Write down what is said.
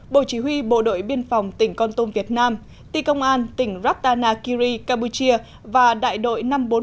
bộ chỉ huy bộ đội biên phòng tỉnh con tôm việt nam ti công an tỉnh ratanakiri campuchia và đại đội năm trăm bốn mươi năm